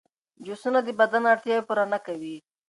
جوسونه د بدن اړتیاوې پوره نه کوي.